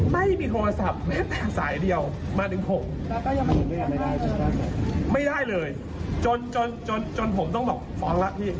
ไม่มีโทรศัพท์แม้แต่สายเดียวมาถึงหกไม่ได้เลยจนจนจนจนผมต้องบอกฟ้องละพี่